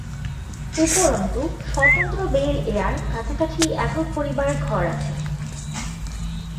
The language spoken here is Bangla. উপরন্তু "স্বতন্ত্র বেল-এয়ার" কাছাকাছি একক পরিবার ঘর আছে